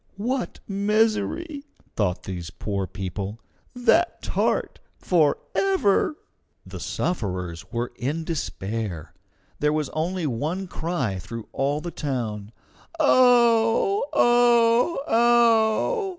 "What misery!" thought these poor people. "That tart forever!" The sufferers were in despair. There was only one cry through all the town: "Ow! ow! ow!"